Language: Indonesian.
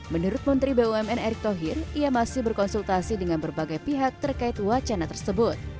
menurut menteri bumn erick thohir ia masih berkonsultasi dengan berbagai pihak terkait wacana tersebut